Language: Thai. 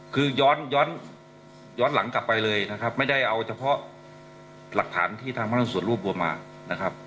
คือย้อนหลังกลับไปเลยนะครับไม่ได้เอาเฉพาะหลักฐานที่ทำให้ส่วนร่วมมานะครับ